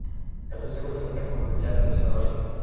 El festejo termina con el ya tradicional baile.